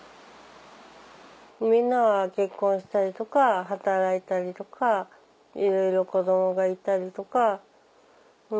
みんなは結婚したりとか働いたりとかいろいろ子供がいたりとか。